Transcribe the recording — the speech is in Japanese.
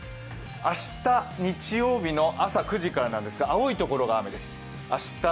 明日、日曜日の朝９時からなんですが青い所が明日です。